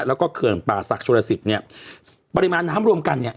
แล้วก็เกินป่าสักชวนสิบเนี้ยปริมาณน้ำร่วมกันเนี้ย